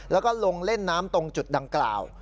แล้วก็ลงเล่นน้ำตรงจุดดังกล่าว